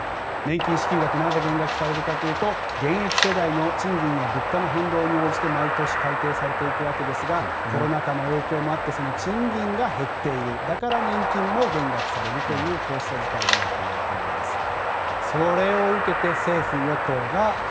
年金支給額なぜ減額されるかというと現役世代の賃金や物価の変動に応じて毎年改定されていくわけですがコロナ禍の影響もあってその賃金が減っているだから年金も減額されるというこうした事態になっているわけです。